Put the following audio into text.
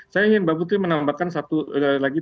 saya ingin mbak putri menambahkan satu lagi